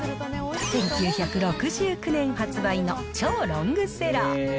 １９６９年発売の超ロングセラー。